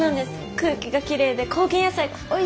空気がきれいで高原野菜がおいしいんですよ。